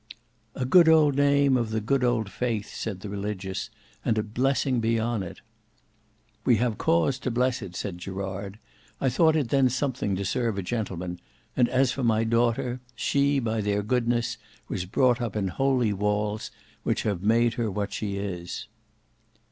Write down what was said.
"A good old name of the good old faith," said the Religious; "and a blessing be on it." "We have cause to bless it," said Gerard. "I thought it then something to serve a gentleman; and as for my daughter, she, by their goodness, was brought up in holy walls, which have made her what she is."